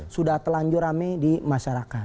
sudah telanjur rame di masyarakat